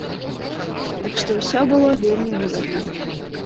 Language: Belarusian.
Так што ўсё было вельмі выгадна.